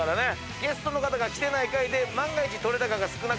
ゲストの方が来てない回で万が一。